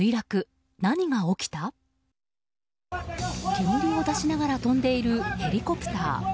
煙を出しながら飛んでいるヘリコプター。